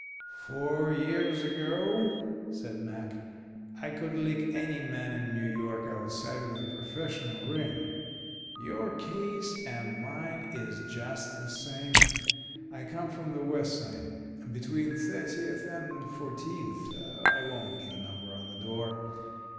"Four years ago," said Mack, "I could lick any man in New York outside of the professional ring. Your case and mine is just the same. I come from the West Side between Thirtieth and Fourteenth I won't give the number on the door.